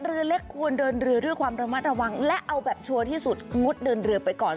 เรือเล็กควรเดินเรือด้วยความระมัดระวังและเอาแบบชัวร์ที่สุดงดเดินเรือไปก่อน